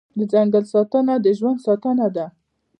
د ځنګل ساتنه د ژوند ساتنه ده